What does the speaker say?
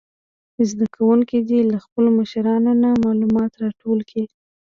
زده کوونکي دې له خپلو مشرانو نه معلومات راټول کړي.